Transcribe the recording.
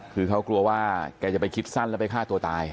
คือเขากลัวว่าแกจะไปคิดสั้นแล้วไปฆ่าตัวตาย